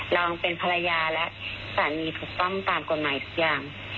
เราเป็นภรรยาและสามีถูกต้องตามกฎหมายทุกอย่าง